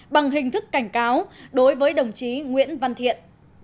bằng hình thức cảnh cáo đối với đồng chí nguyễn văn thiện